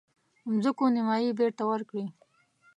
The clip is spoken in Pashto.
مځکو نیمايي بیرته ورکړي.